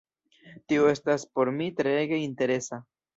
Tio estas por mi treege interesa.